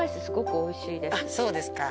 すごくおいしいです。